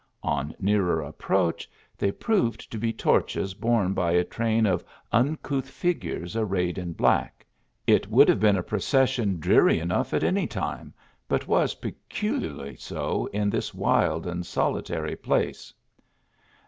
On nearer approach they proved tc/be torches borne by a train of uncouth figures arrayed in black ; it would have been a procession dreary enough at any time, but was peculiarly so in this wild and solitary place.